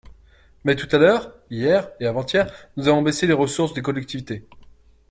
Mais tout à l’heure, hier et avant-hier, nous avons baissé les ressources des collectivités.